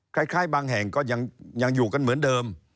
คล้ายบางแห่งก็ยังอยู่กันเหมือนเดิม